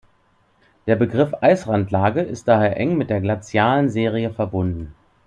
Der Begriff Eisrandlage ist daher eng mit der Glazialen Serie verbunden.